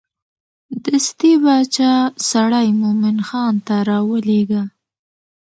دستې باچا سړی مومن خان ته راولېږه.